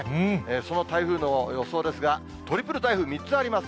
その台風の予想ですが、トリプル台風、３つあります。